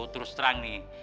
terus terang nih